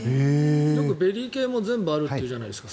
ベリー系も全部あるっていうじゃないですか。